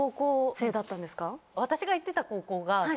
私が行ってた高校が。え！